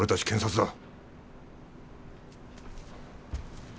検察だ。